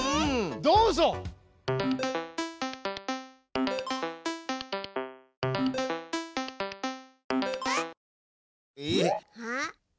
どうぞ！えっ？はっ？